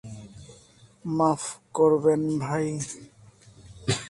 মাফ করবেন ভাই।